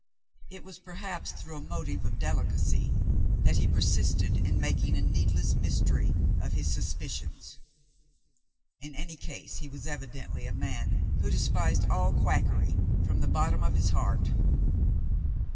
It was perhaps through a motive of delicacy that he persisted in making a needless mystery of his suspicions. In any case he was evidently a man who despised all quackery from the bottom of his heart.